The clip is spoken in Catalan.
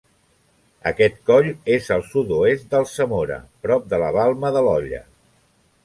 Aquest coll és al sud-oest d'Alsamora, prop de la Balma de l'Olla.